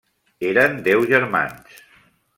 Eren deu germans.